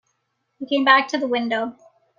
He came back to the window.